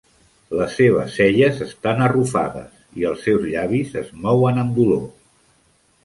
Les seves celles estan arrufades i els seus llavis es mouen amb dolor.